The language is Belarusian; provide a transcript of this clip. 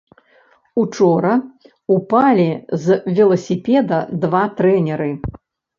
Учора упалі з веласіпеда два трэнеры.